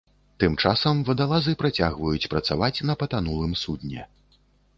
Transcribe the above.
Тым часам вадалазы працягваюць працаваць на патанулым судне.